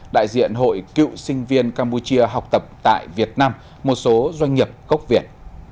đại diện hội cựu sinh viên campuchia học tập tại việt nam một số doanh nghiệp gốc việt